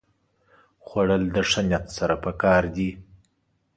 خوړل د ښه نیت سره پکار دي